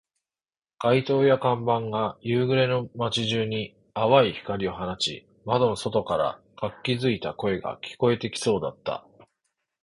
街灯や看板が夕暮れの街中に淡い光を放ち、窓の外から活気付いた声が聞こえてきそうだった